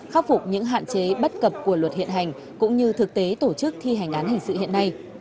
khắc phục những hạn chế bất cập của luật hiện hành cũng như thực tế tổ chức thi hành án hình sự hiện nay